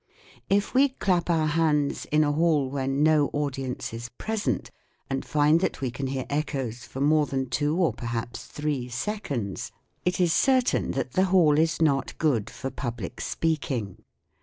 If we clap our hands in a hall when no audience is present and find that we can hear echoes for more than two or perhaps three seconds, it is certain that the hall 6 82 THE WORLD OF SOUND is not good for public speaking.